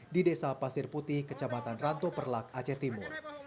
di desa pasir putih kecamatan ranto perlak aceh timur